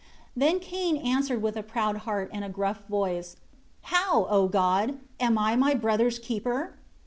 17 Then Cain answered with a proud heart and a gruff voice, "How, O God? Am I my brother's keeper?"